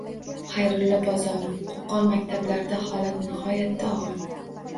Xayrullo Bozorov: Qo‘qon maktablarida holat nihoyatda og‘ir